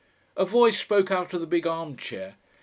A voice spoke out of the big armchair.